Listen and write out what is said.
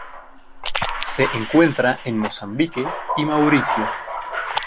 Se encuentra en Mozambique y Mauricio.